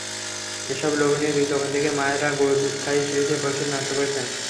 এসব লোভনীয় বিজ্ঞাপন দেখে মায়েরা গুঁড়ো দুধ খাইয়ে শিশুদের ভবিষ্যৎ নষ্ট করছেন।